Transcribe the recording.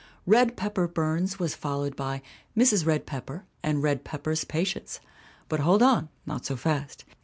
Red Pepper Burns was followed by Mrs. Red Pepper and Red Pepper's Patients. But hold on not so fast.